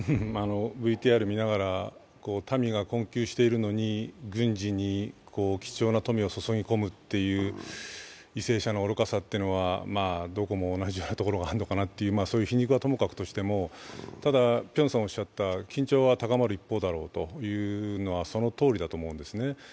ＶＴＲを見ながら民が困窮しているのに軍事に貴重な富を注ぎ込むという為政者の愚かさというのはどこも同じかなという皮肉はあるにしてもただ、辺さんがおっしゃった緊張は高まる一方だというのはそのとおりだと思うんですね。